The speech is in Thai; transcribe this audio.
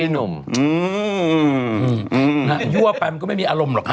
หนุ่มยั่วไปมันก็ไม่มีอารมณ์หรอกฮ